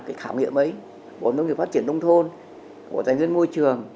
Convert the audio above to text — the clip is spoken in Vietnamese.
cái khảo nghiệm ấy bộ nông nghiệp phát triển nông thôn bộ giành dân môi trường